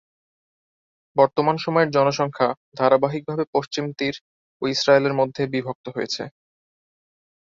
বর্তমান সময়ের জনসংখ্যা ধারাবাহিকভাবে পশ্চিম তীর ও ইসরায়েলের মধ্যে বিভক্ত হয়েছে।